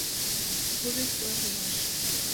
ПОВЕСТЬ, ОЙЛЫМАШ